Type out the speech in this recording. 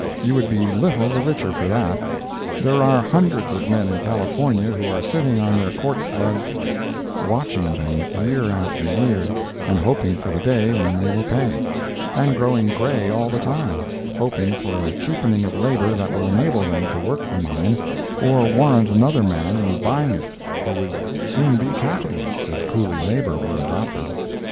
You would be little the richer for that. There are hundreds of men in California who are sitting on their quartz leads, watching them year after year, and hoping for the day when they will pay—and growing gray all the time—hoping for a cheapening of labor that will enable them to work the mine or warrant another man in buying it—who would soon be capitalists if Coolie labor were adopted.